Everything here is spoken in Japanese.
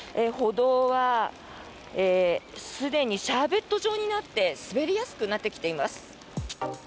歩道はすでにシャーベット状になって滑りやすくなってきています。